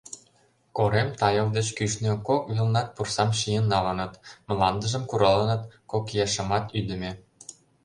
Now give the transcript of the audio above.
Корем тайыл деч кӱшнӧ кок велнат пурсам шийын налыныт, мландыжым куралыныт, кокияшымат ӱдымӧ.